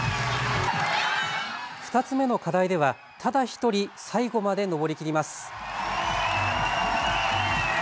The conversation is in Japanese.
２つ目の課題ではただ１人最後まで登りきります。